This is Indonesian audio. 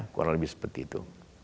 kurang lebih seperti itu